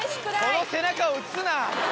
この背中を映すな！